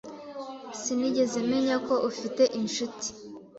Sinigeze menya ko ufite inshuti.